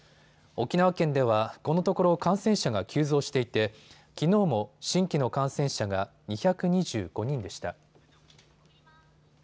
沖縄県では、このところ感染者が急増していてきのうも新規の感染者が２２５人でした。